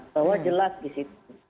bahwa jelas disitu